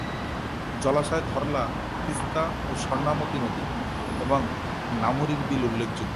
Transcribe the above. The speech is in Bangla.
জলাশয় ধরলা, তিস্তা ও স্বর্ণামতি নদী এবং নামুরীর বিল উল্লেখযোগ্য।